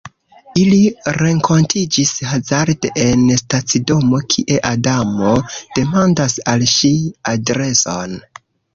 Ili renkontiĝis hazarde en stacidomo kie Adamo demandas al ŝi adreson.